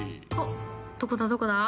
どこだ、どこだ？